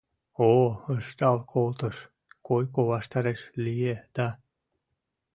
О! ыштал колтыш, койко ваштареш лие да.